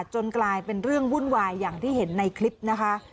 จนกลายเป็นเรื่องวุ่นวายอย่างที่เห็นในคลิปนะคะ